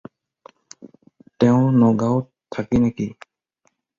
তেওঁ নগাঁওত থাকে নেকি?